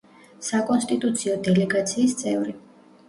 საკონსტიტუციო დელეგაციის წევრი.